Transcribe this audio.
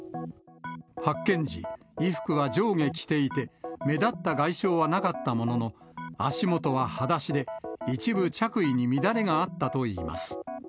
発見時、衣服は上下着ていて、目立った外傷はなかったものの、足元ははだしで、一部着衣に乱れがあったといいます。